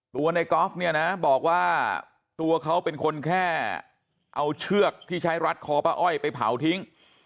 ตัวในกอล์ฟเนี่ยนะบอกว่าตัวเขาเป็นคนแค่เอาเชือกที่ใช้รัดคอป้าอ้อยไปเผาทิ้ง